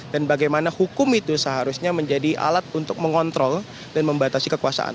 dan bagaimana hukum itu seharusnya menjadi alat untuk mengontrol dan membatasi kekuasaan